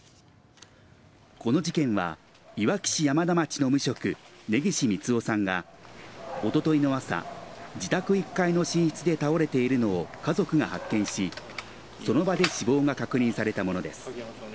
この事件はいわき市山田町の無職根岸三男さんがおとといの朝自宅１階の寝室で倒れているのを家族が発見しその場で死亡が確認されたものです。